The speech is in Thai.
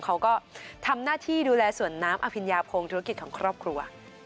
เขาก็ทำหน้าที่ดูแลสวนน้ำอภิญญาพงศ์ธุรกิจของครอบครัว